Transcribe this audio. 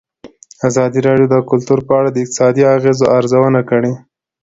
ازادي راډیو د کلتور په اړه د اقتصادي اغېزو ارزونه کړې.